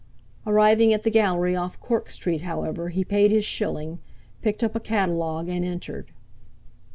Arriving at the Gallery off Cork Street, however, he paid his shilling, picked up a catalogue, and entered.